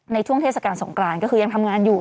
ช่วงเทศกาลสงกรานก็คือยังทำงานอยู่